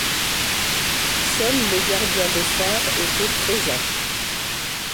Seul le gardien de phare était présent.